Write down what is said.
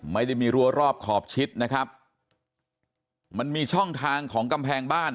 ไม่ได้มีรัวรอบขอบชิดนะครับมันมีช่องทางของกำแพงบ้าน